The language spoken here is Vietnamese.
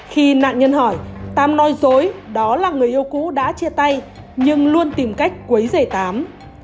khi nạn nhân hỏi tám nói dối đó là người yêu cũ đã chia tay nhưng luôn tìm cách quấy rể tám